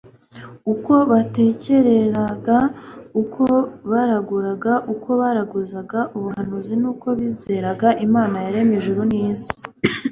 uko baterekeraga, uko baraguraga, uko baraguzaga, ubuhanuzi n'uko bizeraga imana yaremye ijuru n'isi